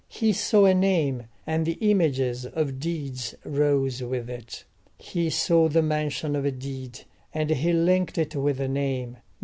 He saw a name, and the images of deeds rose with it: he saw the mention of a deed, and he linked it with a name.